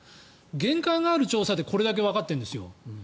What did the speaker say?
限界がある調査でこれだけわかってるんですよ。